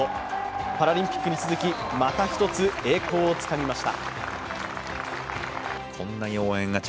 パラリンピックに続き、また１つ、栄光をつかみました。